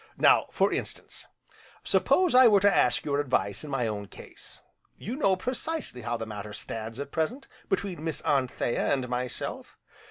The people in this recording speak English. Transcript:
Now, for instance, suppose I were to ask your advice in my own case? You know precisely how the matter stands at present, between Miss Anthea and myself.